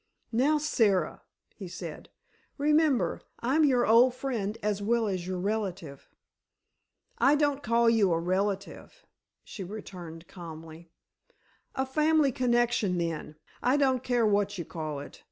"Now, Sara," he said, "remember I'm your old friend as well as your relative." "I don't call you a relative," she returned, calmly. "A family connection, then; I don't care what you call it.